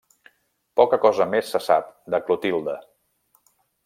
Poca cosa més se sap de Clotilde.